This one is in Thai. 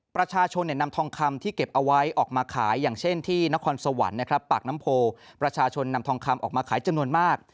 ประชาชนนำทองคำที่เก็บเอาไว้ออกมาขายอย่างเช่นที่นครสวรรค์นะครับปากน้ำโพประชาชนนำทองคำออกมาขายจำนวนมาก